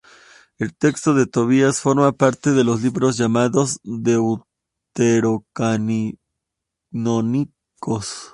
El texto de Tobías forma parte de los libros llamados deuterocanónicos.